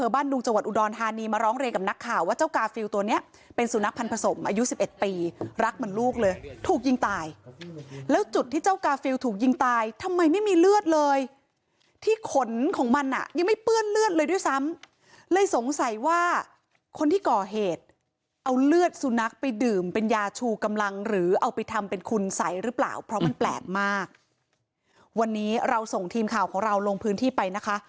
บ้านดุงจังหวัดอุดรธานีมาร้องเลกับนักข่าวว่าเจ้ากาฟิลตัวเนี่ยเป็นสุนัขพันธ์ผสมอายุ๑๑ปีรักเหมือนลูกเลยถูกยิงตายแล้วจุดที่เจ้ากาฟิลถูกยิงตายทำไมไม่มีเลือดเลยที่ขนของมันน่ะยังไม่เปื้อนเลือดเลยด้วยซ้ำเลยสงสัยว่าคนที่ก่อเหตุเอาเลือดสุนัขไปดื่มเป็นยาชูกำลังหรือเอาไปทำ